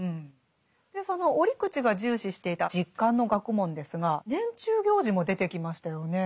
その折口が重視していた実感の学問ですが年中行事も出てきましたよね。